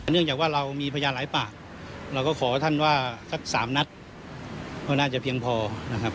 เนื่องจากว่าเรามีพยานหลายปากเราก็ขอว่าท่านว่าเราก็สำนัด๓นัดคงน่าจะเปรียบพอครับ